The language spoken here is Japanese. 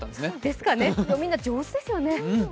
でも、みんな上手ですよね。